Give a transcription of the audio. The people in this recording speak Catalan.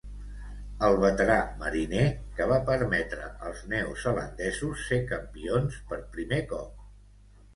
el veterà mariner que va permetre als neozelandesos ser campions per primer cop